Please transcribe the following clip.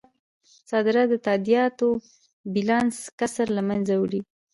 صادرات د تادیاتو بیلانس کسر له مینځه وړي.